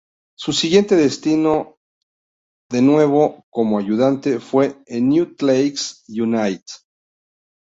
Su siguiente destino, de nuevo como ayudante, fue en el Newcastle United.